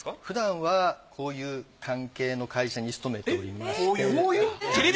ふだんはこういう関係の会社に勤めておりまして。